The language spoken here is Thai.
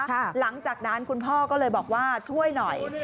หลังจากนั้นคุณพ่อก็เลยบอกว่าช่วยหน่อย